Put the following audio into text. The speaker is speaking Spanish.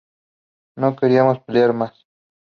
No queríamos pelear más.